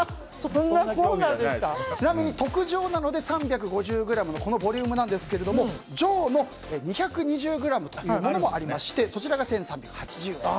ちなみに特上なので３５０ｇのこのボリュームなんですが上の２２０ｇというのもありそちらが１３８０円と。